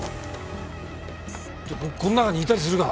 ちょこの中にいたりするか？